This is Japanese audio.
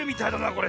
これ。